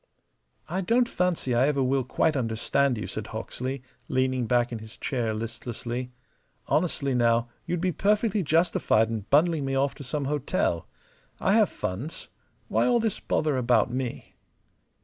"I don't fancy I ever will quite understand you," said Hawksley, leaning back in his chair, listlessly. "Honestly, now, you'd be perfectly justified in bundling me off to some hotel. I have funds. Why all this pother about me?"